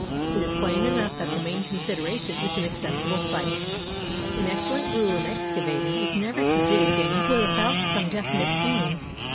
It is plain enough that the main consideration is an accessible site. An excellent rule in excavating is never to dig any 79 EGYPT where without some definite aim.